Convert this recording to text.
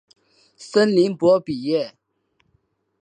森林博比耶。